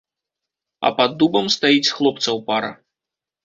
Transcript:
А пад дубам стаіць хлопцаў пара.